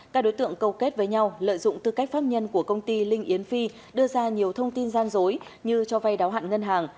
các đối tượng câu kết với nhau lợi dụng tư cách pháp nhân của công ty linh yến phi đưa ra nhiều thông tin gian dối như cho vay đáo hạn ngân hàng